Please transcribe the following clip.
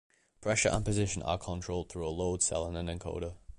Pressure and position are controlled through a load cell and an encoder.